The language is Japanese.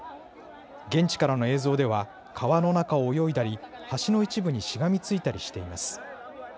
現地からの映像では川の中を泳いだり、橋の一部にしがみついたりしています。